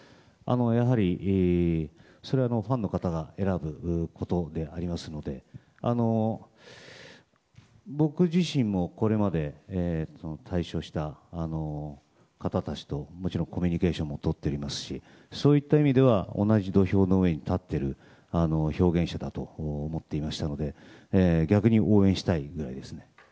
やはりファンの方が選ぶことでありますので僕自身もこれまで退所した方たちともちろんコミュニケーションもとっていますしそういった意味では同じ土俵の上に立っている表現者だと思っておりましたので逆に応援したいぐらいですね。